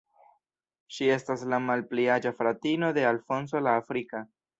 Ŝi estas la malpli aĝa fratino de Alfonso la Afrika.